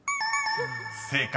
［正解。